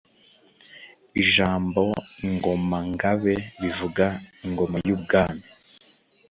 Ijambo Ingoma–Ngabe bivuga “Ingoma y'ubwami “